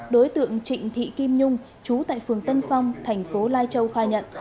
đối tượng trịnh thị kim nhung trú tại phường tân phong thành phố lai châu khai nhận